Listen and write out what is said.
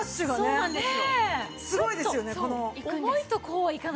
そうなんです。